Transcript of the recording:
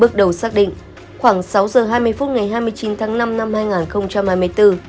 bước đầu xác định khoảng sáu giờ hai mươi phút ngày hai mươi chín tháng năm năm hai nghìn hai mươi bốn